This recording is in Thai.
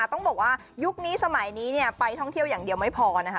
ต้องบอกว่ายุคนี้สมัยนี้ไปท่องเที่ยวอย่างเดียวไม่พอนะคะ